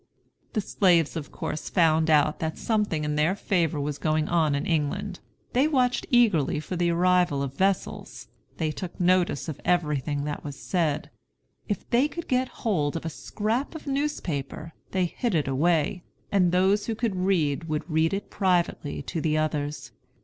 The slaves of course found out that something in their favor was going on in England. They watched eagerly for the arrival of vessels; they took notice of everything that was said; if they could get hold of a scrap of newspaper they hid it away, and those who could read would read it privately to the others.